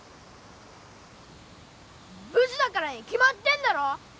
ブスだからに決まってんだろ！